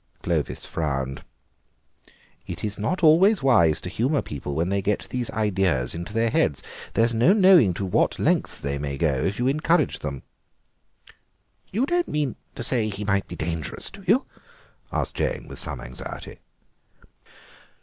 Clovis frowned. "It is not always wise to humour people when they get these ideas into their heads. There's no knowing to what lengths they may go if you encourage them." "You don't mean to say he might be dangerous, do you?" asked Jane with some anxiety.